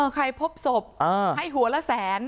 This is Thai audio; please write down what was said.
ใครพบศพให้หัวละแสน